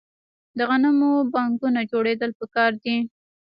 د غنمو بانکونه جوړیدل پکار دي.